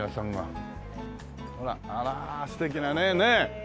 あら素敵なねねえ！